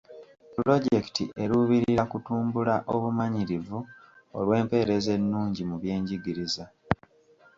Pulojekiti eruubirira kutumbula obumanyirivu olw'empeereza ennungi mu byenjigiriza.